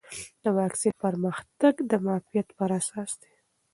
د واکسین پرمختګ د معافیت پر اساس دی.